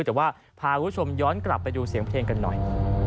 แต่ว่าพาคุณผู้ชมย้อนกลับไปดูเสียงเพลงกันหน่อย